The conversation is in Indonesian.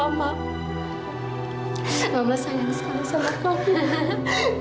kalau mau pergi mama akan ikut sama kamu